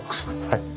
はい。